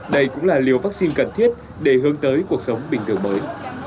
đây cũng là liều vắc xin cần thiết để hướng tới cuộc sống bình thường mới